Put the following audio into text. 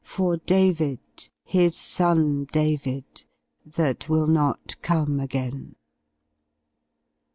For David, his son David, That will not come again.